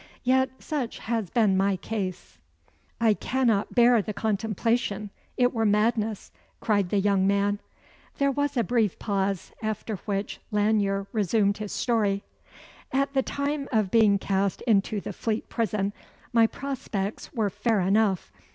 Yet, such has been my case." "I cannot bear the contemplation it were madness," cried the young man. There was a brief pause, after which Lanyere resumed his story. "At the time of being cast into the Fleet Prison, my prospects were fair enough.